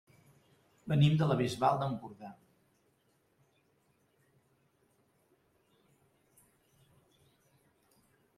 Venim de la Bisbal d'Empordà.